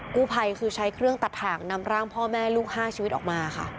กู้ภัยคือใช้เครื่องตัดถ่างนำร่างพ่อแม่ลูก๕ชีวิตออกมาค่ะ